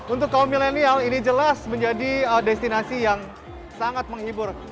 untuk kaum milenial ini jelas menjadi destinasi yang sangat menghibur